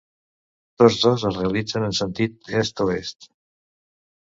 Tots dos es realitzen en sentit Est-Oest.